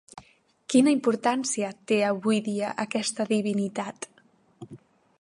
Quina importància té avui dia aquesta divinitat?